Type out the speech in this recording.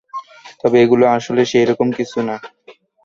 তবে এগুলো আসলে সেরকম কিছু না!